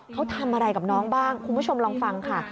เขาทำอะไรกับน้องบ้างคุณผู้ชมลองฟังค่ะ